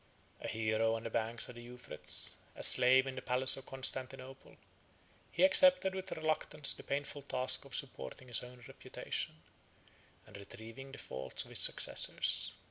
A hero on the banks of the Euphrates, a slave in the palace of Constantinople, he accepted with reluctance the painful task of supporting his own reputation, and retrieving the faults of his successors.